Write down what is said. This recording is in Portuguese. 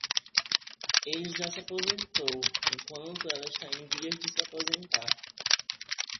Ele já se aposentou, enquanto ela está em vias de se aposentar